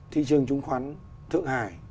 thị trường chứng khoán thượng hải